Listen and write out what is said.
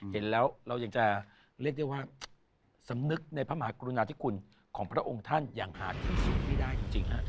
เห็นแล้วเรายังจะเรียกได้ว่าสำนึกในพระมหากรุณาธิคุณของพระองค์ท่านอย่างหาที่สุดไม่ได้จริงฮะ